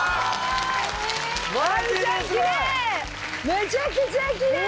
めちゃくちゃきれい！